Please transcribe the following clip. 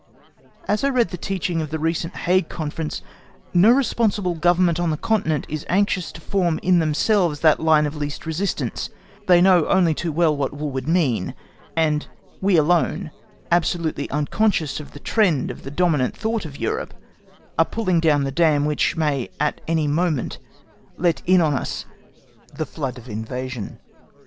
As I read the teaching of the recent Hague Conference, no responsible Government on the Continent is anxious to form in themselves that line of least resistance; they know only too well what War would mean; and we alone, absolutely unconscious of the trend of the dominant thought of Europe, are pulling down the dam which may at any moment let in on us the flood of invasion.